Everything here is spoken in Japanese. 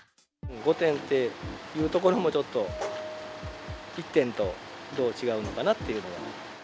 ５点っていうところもちょっと、１点とどう違うのかなっていうのが。